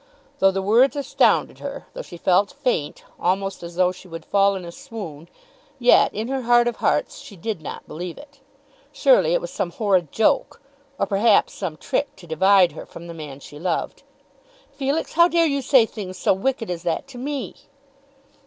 Though the words astounded her, though she felt faint, almost as though she would fall in a swoon, yet in her heart of hearts she did not believe it. Surely it was some horrid joke, or perhaps some trick to divide her from the man she loved. "Felix, how dare you say things so wicked as that to me?"